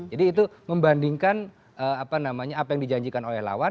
jadi itu membandingkan apa namanya apa yang dijanjikan oleh lawan